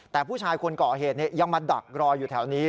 แต่ผู้ชายคนก่อเหตุยังมาดักรออยู่แถวนี้